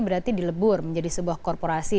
berarti dilebur menjadi sebuah korporasi